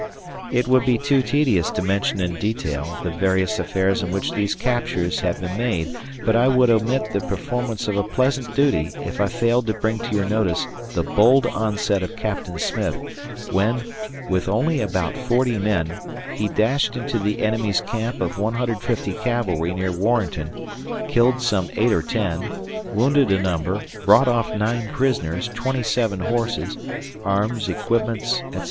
It would be too tedious to mention in detail the various affairs in which these captures have been made, but I would omit the performance of a pleasant duty if I failed to bring to your notice the bold onset of Capt. Smith, when, with only about 40 men, he dashed into the enemy's camp of 150 cavalry near Warrenton, killed some 8 or 10, wounded a number and brought off 9 prisoners, 27 horses, arms, equipments, etc.